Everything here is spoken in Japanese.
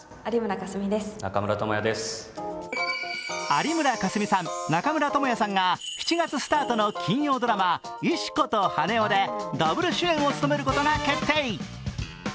有村架純さん、中村倫也さんが７月スタートの金曜ドラマ、「石子と羽男」でダブル主演を務めることが決定。